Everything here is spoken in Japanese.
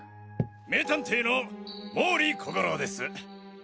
名探偵の毛利小五郎です。